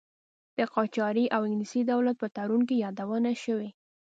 د قاجاري او انګلیسي دولت په تړون کې یادونه شوې.